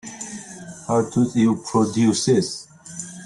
How did you produce this?